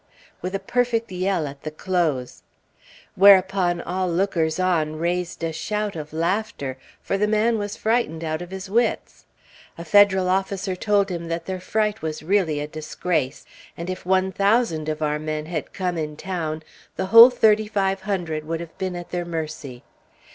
with a perfect yell at the close; whereupon all lookers on raised a shout of laughter, for the man was frightened out of his wits. A Federal officer told him that their fright was really a disgrace; and if one thousand of our men had come in town, the whole thirty five hundred would have been at their mercy.